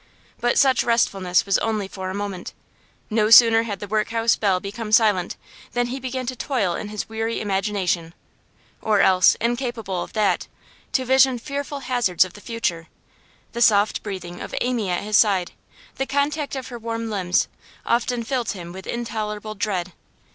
But such restfulness was only for a moment; no sooner had the workhouse bell become silent than he began to toil in his weary imagination, or else, incapable of that, to vision fearful hazards of the future. The soft breathing of Amy at his side, the contact of her warm limbs, often filled him with intolerable dread.